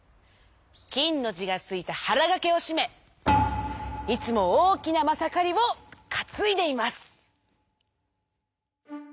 「きん」のじがついたはらがけをしめいつもおおきなまさかりをかついでいます。